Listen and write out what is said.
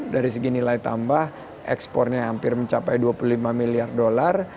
dari segi nilai tambah ekspornya hampir mencapai dua puluh lima miliar dolar